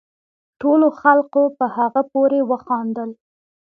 ټولو خلقو په هغه پورې وخاندل